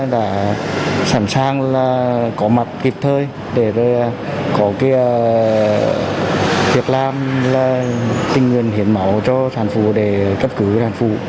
đã sẵn sàng là có mặt kịp thời để có cái việc làm là tình nguyện hiển máu cho sản phụ để cấp cứu sản phụ